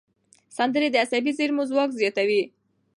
سندرې د عصبي زېرمو ځواک زیاتوي.